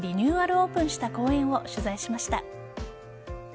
オープンした公園を取材しました。